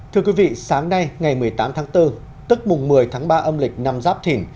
thưa quý vị sáng nay ngày một mươi tám tháng bốn tức mùng một mươi tháng ba âm lịch năm giáp thìn